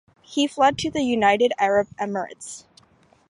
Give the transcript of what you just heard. He fled to the United Arab Emirates.